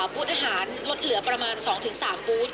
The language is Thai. บูธอาหารลดเหลือประมาณ๒๓บูธ